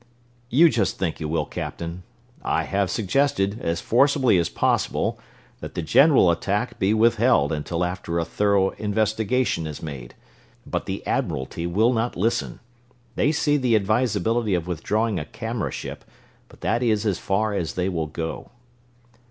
"You just think you will, Captain. I have suggested, as forcibly as possible, that the general attack be withheld until after a thorough investigation is made, but the Admiralty will not listen. They see the advisability of withdrawing a camera ship, but that is as far as they will go."